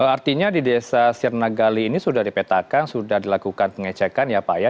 artinya di desa sirnagali ini sudah dipetakan sudah dilakukan pengecekan ya pak ya